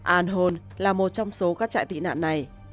al hol là một trong số các trại tị nạn này